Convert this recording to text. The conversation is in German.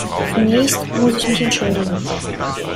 Zunächst muss ich mich entschuldigen.